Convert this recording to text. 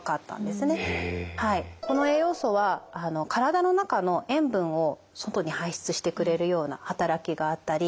この栄養素は体の中の塩分を外に排出してくれるような働きがあったり。